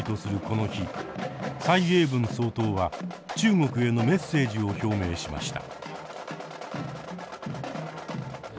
蔡英文総統は中国へのメッセージを表明しました。